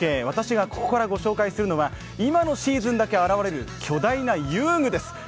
私がここから御紹介するのは今のシーズンだけ現れる巨大な遊具です。